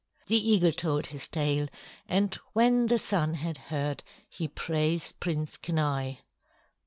The eagle told his tale, and when the Sun had heard, he praised Prince Kenai.